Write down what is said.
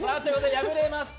敗れました